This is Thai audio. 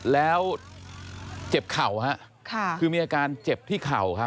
แล้วเจ็บเข่าคือมีอาการเจ็บที่เข่าครับ